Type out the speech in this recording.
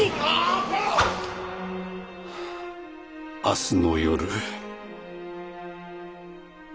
明日の夜。